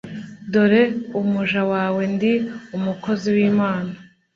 dore umuja wawe ndi umukozi w’imana